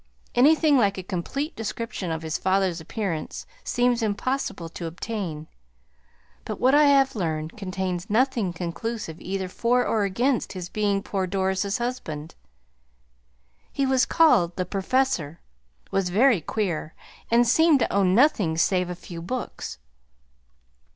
Anything like a complete description of his father's appearance seems impossible to obtain; but what I have learned contains nothing conclusive either for or against his being poor Doris's husband. He was called 'the Professor,' was very queer, and seemed to own nothing save a few books.